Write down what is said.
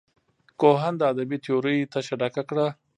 کوهن د ادبي تیورۍ تشه ډکه کړه.